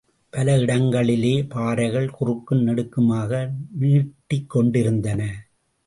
பல இடங்களிலே பாறைகள் குறுக்கும் நெடுக்குமாக நீட்டிக்கொண்டிருந்தன.